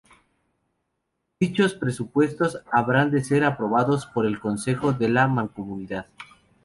Dichos presupuestos habrán de ser aprobados por el consejo de la mancomunidad.